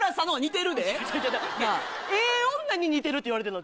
ええ女に似てるって言われてるの。